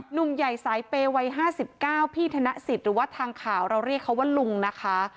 หนุ่มใหญ่สายเปย์วัย๕๙พี่ธนสิทธิ์หรือว่าทางข่าวเราเรียกเขาว่าลุงนะคะ